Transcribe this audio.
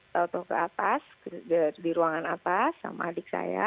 tau tau ke atas di ruangan atas sama adik saya